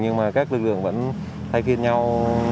nhưng mà các lực lượng vẫn thay khiên nhau